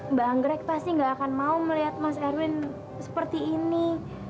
mbak anggrek pasti gak akan mau melihat mas erwin seperti ini